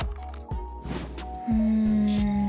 うん。